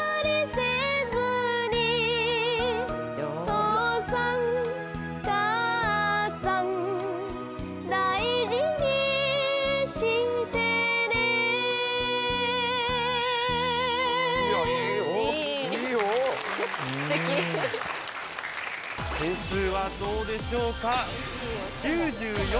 点数はどうでしょうか？